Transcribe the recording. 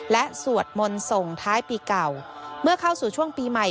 และสวดมนต์ส่งท้ายปีเก่าเมื่อเข้าสู่ช่วงปีใหม่